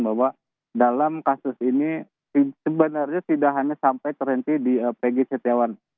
bahwa dalam kasus ini sebenarnya tidak hanya sampai terhenti di pg setiawan